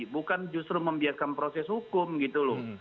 bukan justru membiarkan proses hukum gitu loh